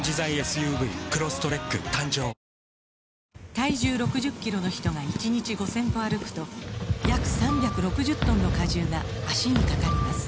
体重６０キロの人が１日５０００歩歩くと約３６０トンの荷重が脚にかかります